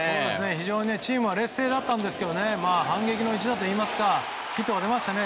非常にチームは劣勢だったんですけど反撃の一打といいますかヒットが出ましたね。